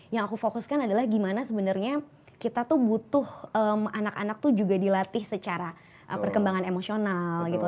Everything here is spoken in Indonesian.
yang aku fokuskan adalah gimana sebenarnya kita tuh butuh anak anak tuh juga dilatih secara perkembangan emosional gitu